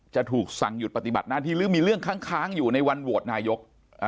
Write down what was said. จะถูกสั่งหยุดปฏิบัติหน้าที่หรือมีเรื่องค้างอยู่ในวันโหวตนายก